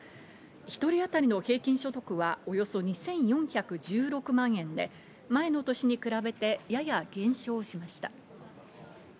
一人当たりの平均所得はおよそ２４１６万円で前の年に比べて、やや減少しました。